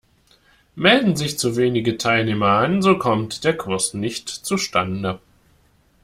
Melden sich zu wenige Teilnehmer an, so kommt der Kurs nicht zustande.